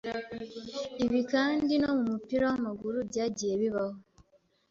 ibi kandi no mu mupira w’amaguru byagiye bibaho